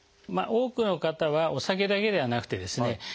多くの方はお酒だけではなくてですね